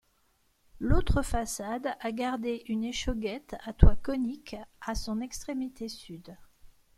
L'autre façade a gardé une échauguette à toit conique à son extrémité sud.